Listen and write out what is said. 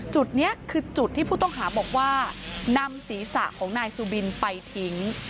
จุดนี้คือจุดที่ผู้ต้องหาบอกว่านำศีรษะของนายสุบินไปทิ้ง